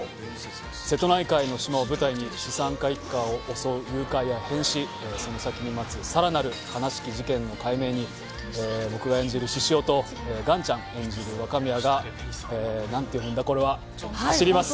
瀬戸内海の島を舞台に資産家一家を襲う誘拐や変死その先に待つ更なる悲しき事件の解明に僕が演じる獅子雄と岩ちゃん演じる若宮が何て読むんだこれは走ります！